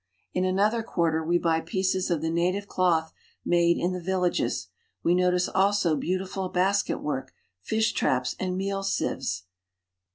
In another quarter we buy pieces of the native cloth made in the villages ; we notice also beautiful basketwork, fish traps, and meal sieves.